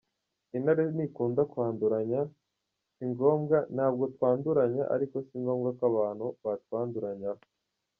Intare ntikunda kwanduranya, si ngombwa, ntabwo twanduranya ariko si ngombwa ko abantu batwanduranyaho.